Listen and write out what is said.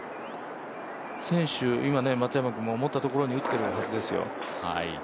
選手、今松山君も思ったところに打ってるはずですよ。